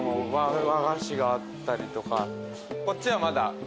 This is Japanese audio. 和菓子があったりとか。